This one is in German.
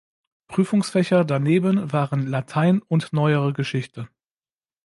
Prüfungsfächer daneben waren Latein und Neuere Geschichte.